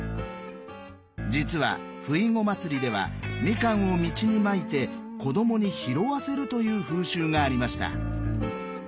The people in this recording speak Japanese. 実はふいご祭りではみかんを道にまいて子供に拾わせるという風習がありました。